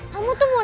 kamu tuh mulai